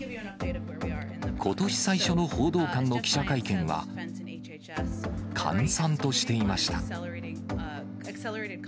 ことし最初の報道官の記者会見は、閑散としていました。